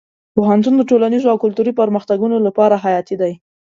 پوهنتون د ټولنیزو او کلتوري پرمختګونو لپاره حیاتي دی.